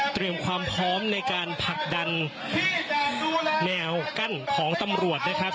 เตรียมความพร้อมในการผลักดันแนวกั้นของตำรวจนะครับ